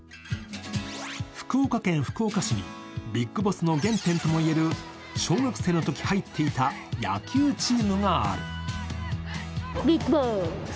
福岡県福岡市にビッグボスの原点とも言える小学生のとき入っていた野球チームがある。